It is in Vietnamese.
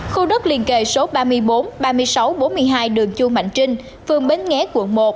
khu đất liền kề số ba mươi bốn ba mươi sáu bốn mươi hai đường chu mạnh trinh phường bến nghé quận một